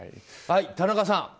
はい、田中さん。